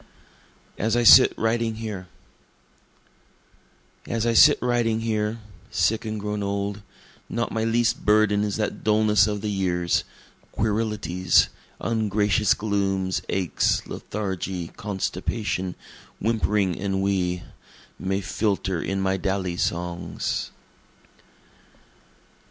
As I Sit Writing Here As I sit writing here, sick and grown old, Not my least burden is that dulness of the years, querilities, Ungracious glooms, aches, lethargy, constipation, whimpering ennui, May filter in my dally songs.